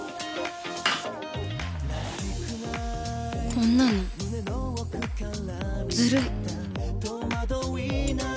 こんなのずるい